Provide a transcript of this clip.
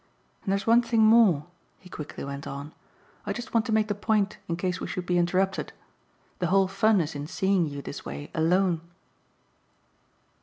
And there's one thing more," he quickly went on; "I just want to make the point in case we should be interrupted. The whole fun is in seeing you this way alone."